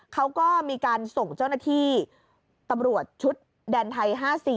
เขาก็มีการส่งเจ้าหน้าที่ตำรวจชุดแดนไทย๕๔